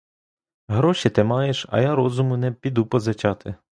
Гроші ти маєш, а я розуму не піду позичати.